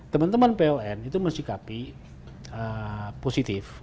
teman teman pon itu mencikapi positif